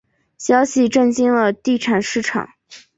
消息震惊了地产市场。